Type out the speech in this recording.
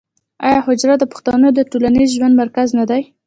آیا حجره د پښتنو د ټولنیز ژوند مرکز نه دی؟